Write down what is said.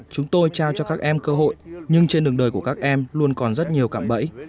chúng tôi trao cho các em cơ hội nhưng trên đường đời của các em luôn còn rất nhiều cạm bẫy